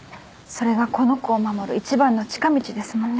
それがこの子を守る一番の近道ですもんね。